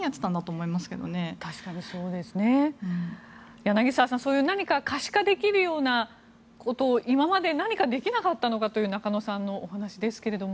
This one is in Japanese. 柳澤さん、そういう可視化できるようなことを今まで何かできなかったのかという中野さんのお話ですけども。